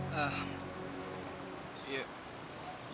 pokoknyapunk positif gitu